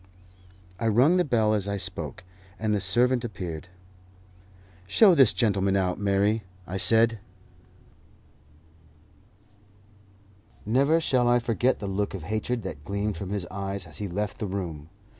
I rung the bell as I spoke, and the servant appeared. "Show this gentleman out, Mary," I said. Never shall I forget the look of hatred that gleamed from his eyes as he left the room.